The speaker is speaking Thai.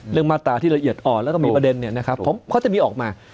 เรื่องมาตราที่ละเอียดอ่อนและต้องมีประเด็นเนี่ยนะครับเขาจะมีออกมา